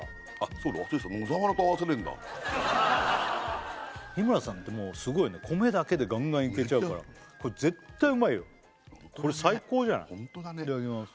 そうだ忘れてた日村さんってもうすごいね米だけでガンガンいけちゃうからこれ絶対うまいよこれ最高じゃないホントだねおおいただきます